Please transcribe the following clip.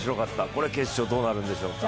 これは決勝どうなるんでしょうか。